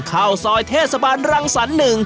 เข้าซอยเทศบาลรังสรรหนึ่ง